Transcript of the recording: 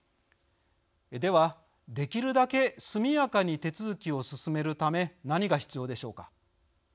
では、できるだけ速やかに手続きを進めるため何が必要でしょうか。